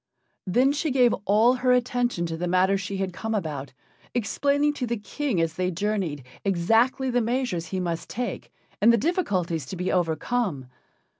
Then she gave all her attention to the matter she had come about, explaining to the King as they journeyed exactly the measures he must take and the difficulties to be overcome.